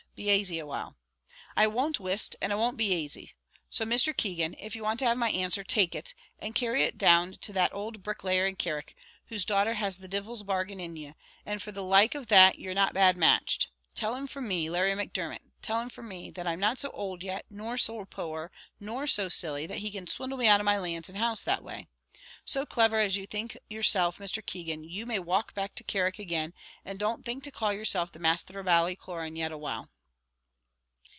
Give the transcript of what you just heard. be asy a while." "I won't whist, and I won't be asy: so, Mr. Keegan, if you want to have my answer, take it, and carry it down to that old bricklayer in Carrick, whose daughter has the divil's bargain in you; and for the like of that you're not bad matched. Tell him from me, Larry Macdermot tell him from me, that I'm not so owld yet, nor so poor, nor so silly, that he can swindle me out of my lands and house that way. So clever as you think yourself, Mr. Keegan, you may walk back to Carrick again, and don't think to call yourself masther of Ballycloran yet awhile."